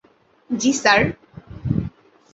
জ্বি, স্যার।